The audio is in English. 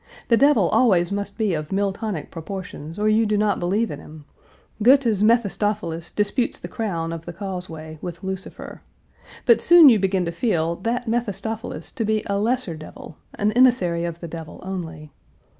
The devil always must be of Miltonic proportions or you do not believe in him; Goethe's Mephistopheles disputes the crown of the causeway with Lucifer. But soon you begin to feel that Mephistopheles to be a lesser devil, an emissary of the devil only.